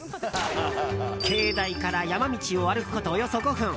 境内から山道を歩くことおよそ５分。